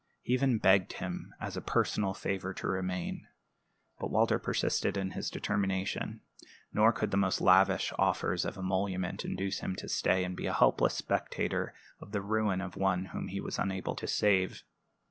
He even begged him as a personal favor to remain, but Walter persisted in his determination; nor could the most lavish offers of emolument induce him to stay and be a helpless spectator of the ruin of one whom he was unable to save.